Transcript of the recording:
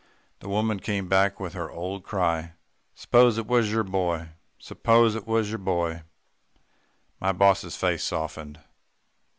"The woman came back with her old cry 'S'pose it was your boy s'pose it was your boy.' "My boss's face softened.